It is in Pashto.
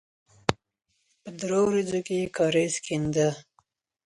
په دریو ورځو کې یې کاریز کېنده.